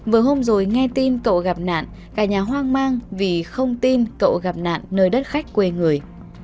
vừa hôm rồi nghe tin cậu gặp nạn cả nhà hoang mang vì không tin cậu gặp nạn nơi đất khách quê người